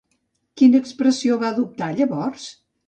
Quina expressió va adoptar llavors?